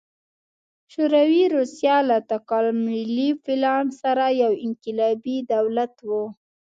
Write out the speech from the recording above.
شوروي روسیه له تکاملي پلان سره یو انقلابي دولت و